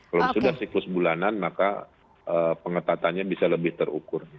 kalau sudah siklus bulanan maka pengetatannya bisa lebih terukur